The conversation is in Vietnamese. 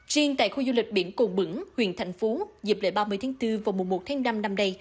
riêng tại khu du lịch biển cồn bửng huyện thành phú dịp lễ ba mươi tháng bốn vào mùa một tháng năm năm nay